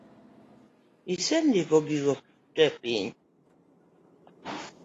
Asendiko gigo tee piny